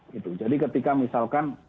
gitu jadi ketika misalkan